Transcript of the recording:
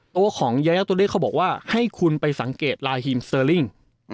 ตัวของยายาตัวเลขเขาบอกว่าให้คุณไปสังเกตลาฮีมเซอร์ลิ่ง